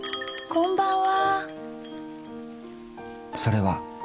こんばんは。